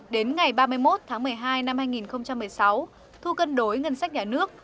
đến ngày ba mươi một tháng một mươi hai năm hai nghìn một mươi sáu thu cân đối ngân sách nhà nước